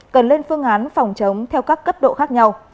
cần lên phương án phòng chống theo các cấp độ khác nhau